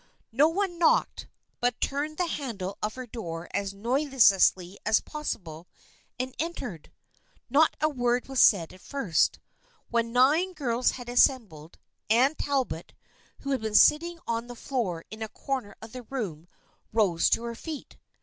No one knocked, but turned the handle of her door as noiselessly as possible and entered. Not a word was said at first. When nine girls had assembled, Anne Talbot, who had been sitting on the floor in a corner of the room, rose to her feet.